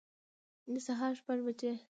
د سهار شپږ بجي